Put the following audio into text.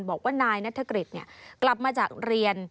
บอกว่านายนัทธกริจเนี่ยกลับมาจากเรียน